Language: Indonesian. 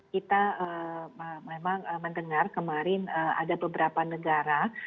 kita memang mendengar kemarin ada beberapa negara